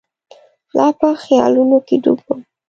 لا په خیالونو کې ډوب وم.